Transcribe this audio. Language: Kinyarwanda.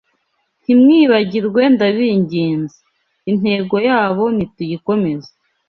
Ntimwibagirwe ndabinginze Intego yabo nituyikomeze